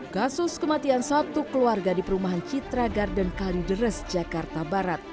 kasus kematian satu keluarga di perumahan citra garden kalideres jakarta barat